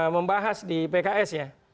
membahas di pks ya